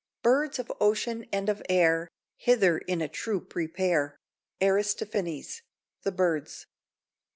"Birds of ocean and of air Hither in a troop repair." —Aristophanes' "The Birds."